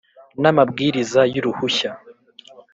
n amabwiriza y uruhushya